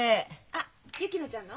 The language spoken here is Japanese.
あっ薫乃ちゃんの？